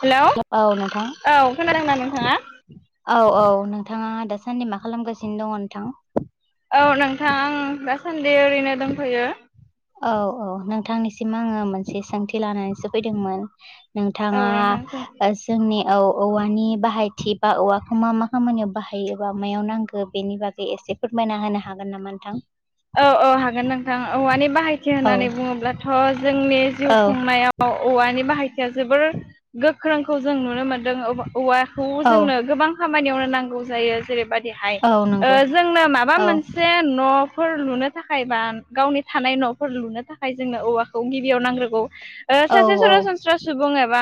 Hello औ नोंथां। औ खोनादोंना नोंथाङा? औ औ नोंथाङा दासान्दि मा खालामगासिनो दङ नोंथां? औ नोंथां आं दासान्दि ओरैनो दंफैयो। औ औ नोंथांनिसिम आङो मोनसे सोंथि लानानैसो फैदोंमोन। औ नोंथाङा नोंथां जोंनि औ औवानि बाहायथि बा औवाखौ मा मा खामानियाव बाहायोबा मायाव नांगौ बेनि बागै एसे एसे फोरमायना होनो हागोन नामा नोंथां? औ औ हागोन नोंथां औवानि बाहायथि औ होननानै बुङोब्लाथ' जोंनि जिउ औ खुंनायाव औवानि बाहायथिया जोबोर गोख्रोंखौ जों नुनो मोनदों औवाखौ औ जोंनो गोबां खामानियावनो नांगौ। जायो जेरैबायदिहाय औ नंगौ जोंनो माबा औ मोनसे न' फोर लुनो थाखाय बा गावनि थानाय न'फोर लुनो थाखाय जोंनो औवाखौ गिबियाव नांग्रोगौ औ सासे औ सरासनस्रा सुबुं एबा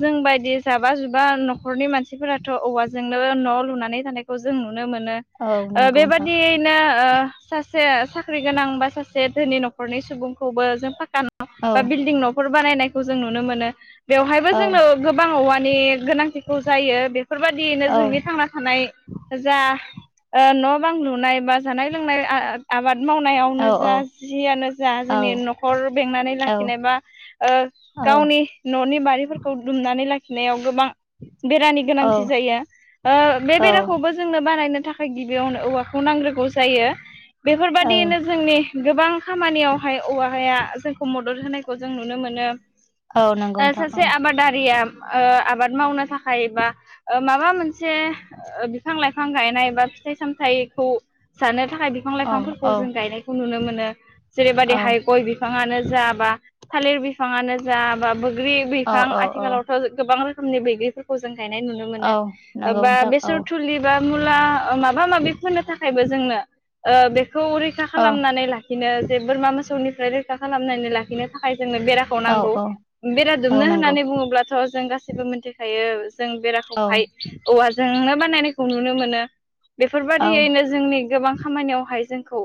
जों बायदि जाबा जुबा न'खरनि मानसिफोराथ' औवाजोंनो न' लुनानै थानायखौ जों नुनो मोनो औ नंगौ नोंथां बेबादियैनो सा साख्रि गोनां बा सासे धोनि न'खरनि सुबुंखौबो जों फाका' औ बा बिल्डिं न'खर बानायनायखौ जों नुनो मोनो। बेवहायबो औ जोंनो गोबां औवानि गोनांथिखौ जायो बेफोरबायदियैनो औ जोंनि थांना थानाय। जा न' बां लुनाय बा जानाय लोंनाय आबाद औ मावनायावनो जा जियानो जा औ जोंनि न'खर बेंनानै औ लाखिनायबा। गावनि न'नि बारिफोरखौ दुमनानै लाखि गोबां बेरानि औ गोनांथि जायो बे औ बेराखौबो जोंनो बानायनो नि थाखाय गिबियावनो औवाखौ नांग्रोगौ जायो औ बेफोरबायादियैनो जोंनि गोबां खामानियावहाय औव हाया जोंखौ मदद होनाय खौ जों नुनो मोनो औ नंगौ नोंथां औ सासे आबादारिया आबाद मावनो थाखाय। थाखाय बा माबा मोनसे बिफां लाइफां गायनाय बा फिथाइ सामथाइ खौ जानो थाखाय। बिफां औ औ लाइफांफोरखौ जों गायनायखौ नुनो मोनो जेरैबदिहाय गय बिफाङानो जा जाबा थालिर बिफाङानो जा बा बैग्रि औ बिफां औ औ आथिखालावथ' गोबां रोखोमनि बैग्रिफोरखौ जों थनाय नुनो औ मोनो नंगौ बा नोंथां औ बेसर थुलि बा मुला ओ माबा माबि फोनो थाखायबो जोंनो ओ बेखौ रैखा औ खालामनानै लाखिनो जे बोरमा मोसौनिफ्राय रैखा खालामनानै लाखिनो थाखाय जोंनो बेराखौ औ नांगौ औ बेरा औ दुमनो नंगौ होननानै बुङोब्लाथ' जों गासैबो मोनसे मिथिखायो जों औ बेराखौहाय औवाजोंनो बानायनायखौ नुनो मोनो औ बेफोरबायदियैनो जोंनि गोबां खामानियावहाय जोंखौ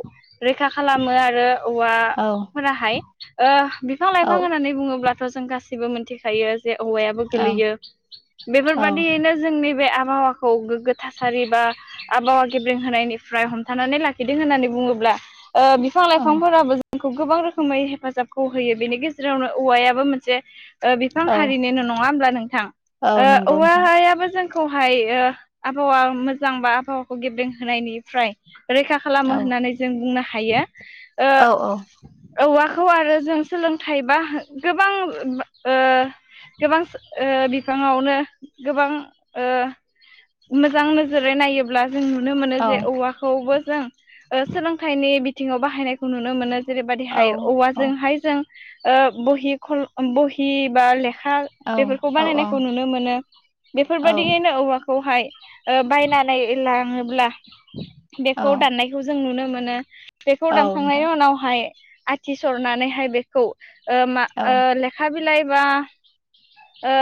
रैखा खालामो आरो औवा औ फोराहाय ओ बिफां लाइफां होननानै बुङोब्लाथ' जों गासैबो मिथिखायो जे औवायाबो औ गोलैयो औ बेफोरबायदियैनो जोंनि बे आबहावाखौ गोगो थासारि बा आबहावा गेब्रें होनायनिफ्राय थानानै लाखिदों होननानै बुङोब्ला ओ बिफां लाइफांफोराबो जों खौ गोबां रोखोमै हेफाजाबखौ होयो बेनि गेजेरावनो औवायाबो मोनसे ओ बिफां औ हारिन' नङा होमब्ला नोंथां औ ओ नंगौ औव नोंथां हायाबो जों खौहाय आबहावा मोजां बा आबहावाखौ गेब्लेेंहोनायनिफ्राय रैखा खालामो औ होननानै जों बुंनो हायो ओ औ औ औवाखौ आरो जों सोलोंथाइ बा गोबां ओ गोबां ओ बिफाङावनो गोबां ओ मोजां नोजोरै नायोब्ला जों नुनो मोनो जे औवाखौबो जों ओ सोलोंथाइनि बिथिङाव बाहायनायखौ नुनो मोनो जेरैबायदिहाय औवाजोंहाय जों ओ बहि खल बहि बा लेखा बेफोरखौ औ बानायनायखौ नुनो मोनो औ बेफोरबायाददियैनो औवाखौहाय ओ बायनानै लाङोब्ला बेखौ दाननायखौ जों नुनो मोनो बेखौ औ नोंथां औ दानखांनायनि उनावहाय आथि सरनानैहाय बेखौ ओ मा औ औ ओ लेखा बिलाइ बा ओ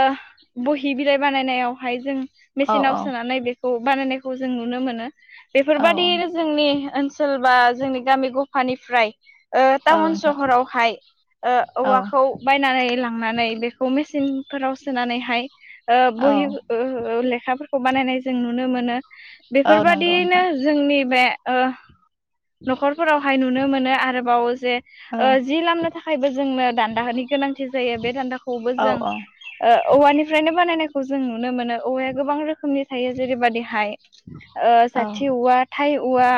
बहि बिलाइ बानायनायावहाय जों औ औ मेचनाव सोनानै बेखौ बानायनाय खौ जों नुनो मोनो बेफोरबायदियैनो जोंनि ओनसोल बा जोंनि गामि गफानिफ्राय ओ टाउन नोंथां सहरावहाय ओ औ औवाखौ बायनानै लांनानै बेखौ मेसिन फोराव सोनानैहाय ओ औ बहि ओ ओ लेखाफोरखौ बानायनाय जों नुनो मोनो औ नंगौ बेफोरबादियैनो नोंथां जोंनि बे ओ [inaudible] न'खरफोरावहाय नुनो मोनो आरोबावो जे ओ जि लामनो थाखायबो जोंनो दान्दाहोननि गोनांथि जायो बे दान्दाखौबो जों ओ औवानिफ्रायनो बानायनायखौ जों नुनो मोन औवाया गोबां रोखोमनि थायो जेरैबाददि हाय औ ओ साथि औवा थाइ औवा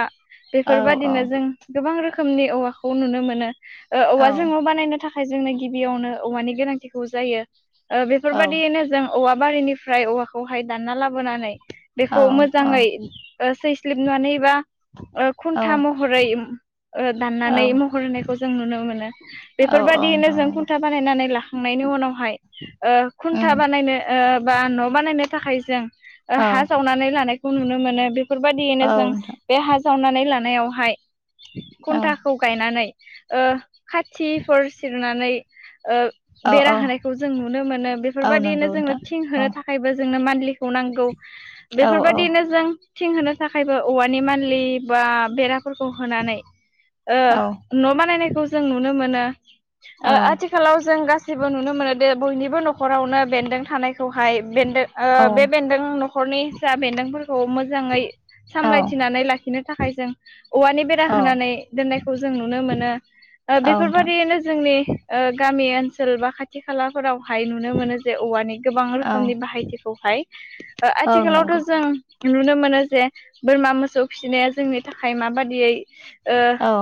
औ औ बेफोरबादिनो औ जों गोबां रोखोमनि औवाखौ नुनो मोनो ओ औवा जोङो बानायनो थाखाय जोंनो गिबियावनो औवानि गोनांथिखौ जायो ओ औ बेफोरबायदियैनो जों औवा बारिनिफ्राय औवाखौहाय दानना ला लाबोनानै बेखौ मोजाङै ओ सैसलिबनानै बा ओ औ खुन्था महरै ओ औ औ दाननानै महर होनायखौ जों नुनो मोनो औ औ बेफोरबायदियैनो नोंथां जों नंगौ खुन्था बानायनानै लाखांनायनि नि उनावहाय ओ खुन्था उम बानायनो ओ बा न' बानायनो थाखाय जों ओ औ हा जावनानै लानायखौ नुनो मोनो औ बेफोरबायाददियैनो जों नोंथां बे हा जावनानै लानानै हाय औ खुन्थाखौ गायनानै ओ खाथिफोर सिरनानै ओ औ औ बेराहोनाय खौ जों नुनो मोनो औ बेफोरबायादिनो नंगौ जोंङो नोंथां थिं औ होनो थाखायबो जोंनो मान्लिखौ नांगौ [inaudible] औ बेफोरबायदिनो जों थिं होनो थाखायबो औवानि मानलि बा बेराफोरखौ होनानै ओ औ न' बानायनायखौ जों नुनो मोनो औ ओ आथिखालाव जों गासैबो नुनो मोनो निबो न'खरावनो बेन्दों थानायखौहाय बेदों ओ बे बेन्दों न'खरनि जा बेन्दों खौ मोजाङै औ सामलायथिनानै लाखिनो थाखाय जों औवानि बेरा औ होनानै दोननायखौ जों नुनो मोनो ओ नोंथां बेफोरबाददियैनो जोंनि ओ गामि ओनसोल बा खाथि खालाफोराव हायो नुनो मोनो जे औवानि गोबां औ रोखोमनि बाहायथिखौहाय ओ औ आथिखालावथ' नंगौ जों नुनो मोनो जे बोरमा मोसौ फिसिनाया जोंनि थाखाय माबादियै ओ औ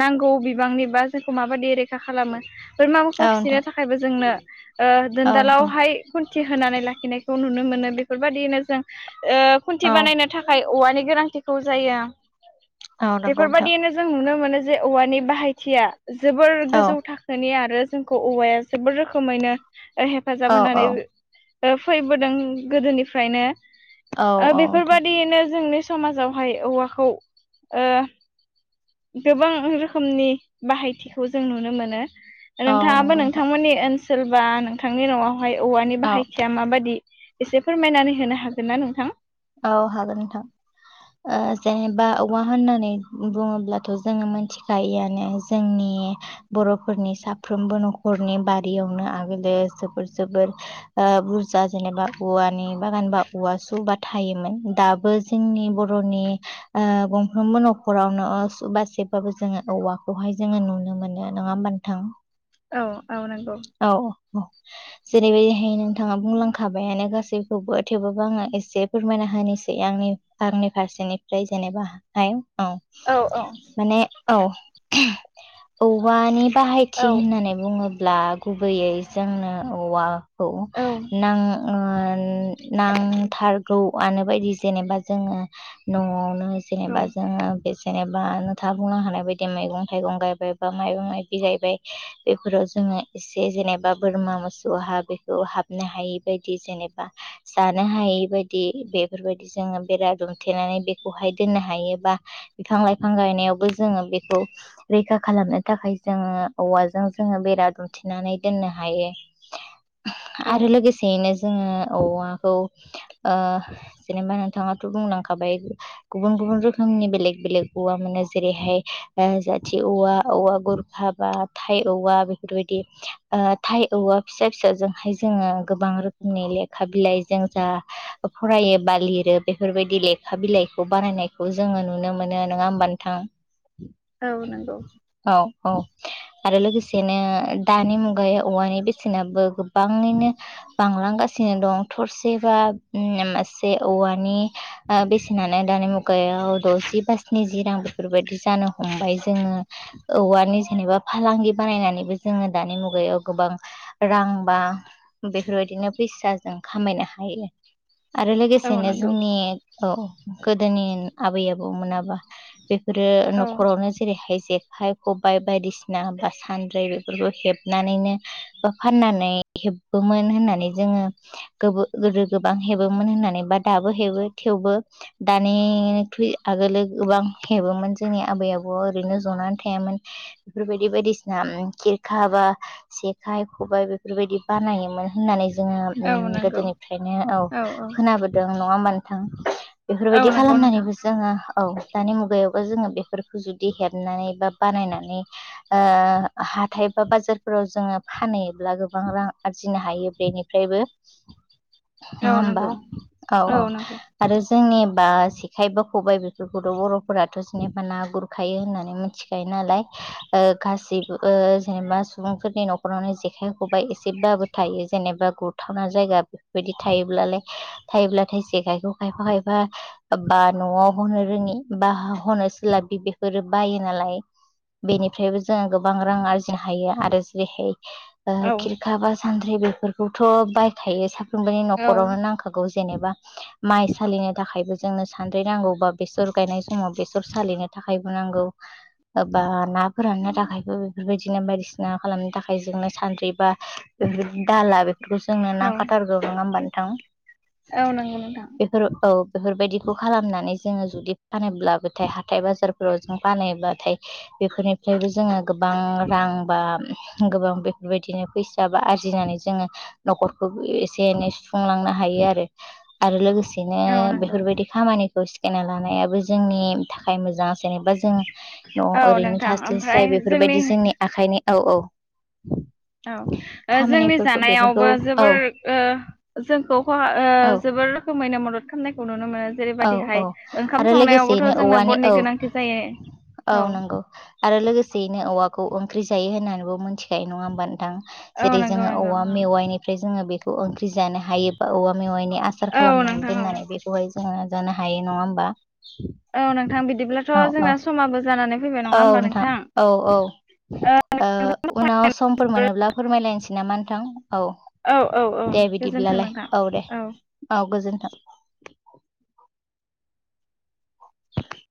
नांगौ बिबांनि बा जोंखौ माबायदि रैखा खालामो बोरमाखौ औ फिसिनो नोंथां थाखायबो दोननो औ औ दोनदालावहाय खुन्थि होनानै लाखिनायखौ नुनो मोनो बेफोरबायदियैनो जों ओ खुन्थि औ बानायनो थाखाय औवानि गोनांथि खौ जायो औ नंगौ नोंथां बेफोरबायदियनो जों नुनो मोनो जे औवानि बाहायथिया जोबोर औ गोजौ थाखोनि आरो जोंखौ औवाया जोबोर रोखोमैनो हेफाजाब औ होनानै फैबोदों गोदोनिफ्रायनो औ ओ औ नोंथां बेफोरबायदियैनो जोंनि समाजावहाय औवाखौ ओ गोबां रोखोमनि बाहायथिखौ जों नुनो मोनो औ नंगौ नोंथां। बे ओनसोल बा नोंथांनि न'आवहाय औवानि औ बाहायथिया माबादि? एसे फोरमायनानै होनो हागोन ना नोंथां? औ हागोन नोंथां। ओ जेनेबा औवा होननानै बुङोब्लाथ' जोङो मोनथिखायोआनो जोंनि नि बर'फोरनि साफ्रोमबो न'खरनि बारियावनो आगोलो जोबोर जोबोर ओ बुरजा जेनेबा औवानि बागान बा औवा सुबा थायोमोन दाबो जोंनि बर'नि ओ गंफ्रोमबो न'खरावनो सुबासे बाबो जोङो औवाखौहाय जोङो नुनो मोनो नङा होमब नोंथां? औ औ नंगौ। औ औ जेरैबायदिहाय नोंथाङा बुंलांखाबायानो गासैखौबो थेवबाबो आङो एसे फोरमायना होनि सै आंनि आंनि फारसेनिफ्राय जेनेबा हाय औ माने औ औवानि बाहायथि औ होननानै बुङोब्ला गुबैयै जोंनो औवा औ नां ओ नांथारगौ आनो बायदि जेनेबा जोङो न'आवनो औ जेनेबा जोङो जेनेबा नोंथाङा बुंनो हानाय बायदि मैगं थाइगं गायबाय बाइबा माइबि गायबाय बेफोराव जोङो एसे जेनेबा बोरमा मोसौहा बेखौ हाबनो हायि बायदि जेनेबा जानो हाय यि बायदि बेफोरबायदि जोंङो बेरा दुमथनानै बेखौ हाय दोननो हायोबा बिफां-लाइफां गायनायाबो जोङो बेखौ रैखा खालामनो थाखाय जों औवाजों‌ जोङो बेरा दुम थिनानै दोननो हायो औ आरो लोगोसेयैनो जोङो औवाखौ ओ जेनेबा नोंथाङाथ' बुंलांखाबाय गुबुन गु बुन रोखोमनि बेलेग बेलेग औवा मोनो जेरैहाय जाथि औवा औवा गरखा बा थाय औवा बेफोरबाय दि ओ थाइ औवा फिसा फिसाजोंहाय जोङो गोबां रोखोमनि लेखा बिलाइजों जा फरायो बा लिरो बेफोरबायदि लेखा बिलाइखौ बानायनायखौ जोङो नुनो मोनो नङा होमबा नोंथां? औ नंगौ औ औ आरो लोगोसेनो दानि मुगायाव औवानि बेसेनाबो गोबाङैनो बांलांगासिनो दं थरसे बा ओम मासे औवानि ओ बेसेनानो दानि मुगायाव दजि बा स्नि जि रां बेफोरबायदि जानो हमबाय जोङो औवानि जेनेबा फालांगि बानायनानैबो जोङो दानि मुगायाव गोबां रां बा बेफोरबायदिनो फैसा जों खामायनो हा यो। आरो औ नंगौ औ औ लोगोसेनो नंगौ जोंनि औ गोदोनि आबै आबौ मोनाबा बेफोरो औ न'खरावनो जेरैहाय जेखाइ खबाइ बायदिसिना बा सानद्रि फोरखो हेबनानैनो बा फाननानै हेबोमोन होननानै जोङो गोदो गोबां हेबोमोन होननानै बा दाबो हेबो थेवबो दानिख्रुइ आगोलो ओ गोबां हेबोमोन जोंनि आबै आबौआ ओरैनो जनानै थायामोन बेफोरबायदि बायदिसिना उम खि [unintelligible] घाबा जेखाइ खबाय बेफोरबायदि बानायोमोन होननानै ज जोङो औ उम गोदोनिफ्रायनो औ खोनाबोदों नङा होमबा नोंथां बेफोरबायदि नंगौ नोंथां खालामनानैबो जोङो औ दानि मुगायावबो जोङो बेफोरखौ जुदि हेबनानै बा बानायनानै ओ हाथाय बा बाजारफोराव जोङो फानहैयोब्ला गोबां रां आरजिनो हायो बेनिफ्रायबो नङा औ होमबा नंगौ औ औ आरो ज जोंनिबा जेखाय बा खबाइ बेफोरखौथ' बर'फोराथ' जेनेबा ना गुरखायो होननानै मिनथिखायोन नालाय ओ गासिबो ओ ज जेनेबा सुबुंफोरनि न'खरावनो जेखाइ खबाय एसेब्लाबो थायो जेनेबा गुरथावना जायगा बेफोरबायद दि थायोब्लालाय थायोब्लाथाय जेखाइखौ खायफा खायफा बा न'आव हरनो रोङि बा ह हनोसोलाब बि बेफोरो बायो नालाय बेनिफ्रायबो जोङो गोबां रां आरज जिनो हायो आरो जेरैहाय ओ औ खिरखा बा सानद्रि बेफोरखौथ' बायखायो सा फ्रोमबोनि औ न'खरावनो नांखागौ जेनेबा माइ सालिनो थाखायबो जोंनो सानद्रि नांगौबा बेसर गायनाय समाव बेसर सालिनो थाखायबो नांगौ ओ बा ना फोराननो थाखायबो बेफोरबायदि दिनो बायदिसिना खालामनो थाखाय जोंनो सानद्रि बा बेफोर दाला बे बेखौ जोंनो औ नांखाथारगौ नङा होमबा नोंथां? औ नंगौ नोंथां। बेफोर औ बेफोरबायदिखौ खालामनानै जोङो जुदि फानोब्लाबोथाय हाथाय बाजारफोराव जों फानैयोब्लाथाय बेफोरनिफ्रायबो जोङो गोबां [unintelligible] रां बा गोबां बेफोरबायदिनो फैसा बा आरजिनानै जोङो न'खरखौ एसे एनै सुफुंलांनो हायो आरो लोगोस सेनो औ नंगौ बेफोरबायदि खामानिखौ सिकायना लानायाबो जोंनि थाखाय मोजां जेनेबा जोङो औ न'आव ओरैनो नोंथां ओमफ्राय थास्लायस्लाय बेफोरबायदि जोंनि आखाइनि औ औ औ ओ जोंनि खामानिफोरखौ जानायावबो बेफोरखौ औ जोबोर ओ जोंखौ खहा ओ औ जोब बोर रोखोमैनो मदद खामनायखौ नुनो मोनो [unintelligible] औ औ जेरैबायदिहाय आरो ओंखाम संनायावबोथ' लोगोसेयैनो जोंनो औवानि बननि औ गोनांथि जायो। औ नंगौ आरो लोगोसेयैनो औवाखौ ओंख्रि जायो होननानैबो मोनथिखायो नङा होमबा नोंथां? औ जेरै नंगौ जोङो नंगौ औवा मेवाइनिफ्राय जोङो बेखौ ओंख्रि जानो हायो बा औवा मेवाइनि आसार औ औ नों खालामनानै थां औ दोननानै बेखौहाय ज जानो हायो नङा होमबा? औ नोंथां बिदिब्लाथ' औ औ जोंना समाबो जानानै फैबाय नङा औ होमबा नोंथां औ औ ओ उनाव समफोर मोनोब्ला फोरमायलायनोसै नामा नोंथां औ औ औ औ दे गोजोन्थों बिदिब्लालाय नोंथां औ दे औ गोजोन्थों। [inaudible]